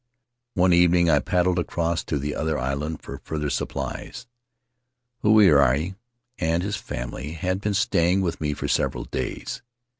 One evening I paddled across to the other island for further supplies. Huirai and his family had been staying with me for several days.